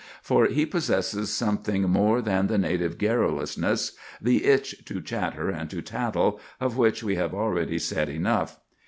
For he possessed something more than the native garrulousness, the itch to chatter and to tattle, of which we have already said enough.